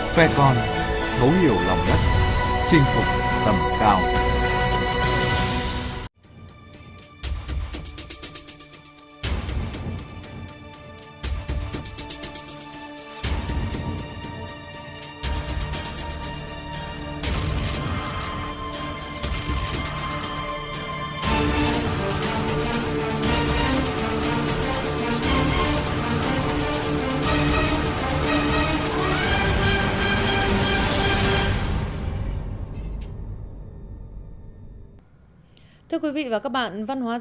phae con thấu hiểu lòng đất chinh phục tầm cao